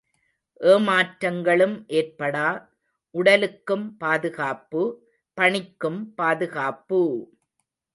ஏமாற்றங்களும் ஏற்படா, உடலுக்கும் பாதுகாப்பு, பணிக்கும் பாதுகாப்பு!